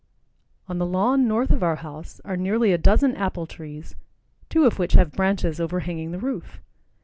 On the lawn north of our house are nearly a dozen apple trees, two of which have branches overhanging the roof.